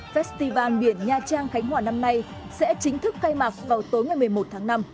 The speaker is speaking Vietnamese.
công an biển nha trang khánh hòa năm nay sẽ chính thức khai mạc vào tối một mươi một tháng năm